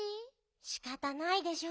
しかたないでしょ。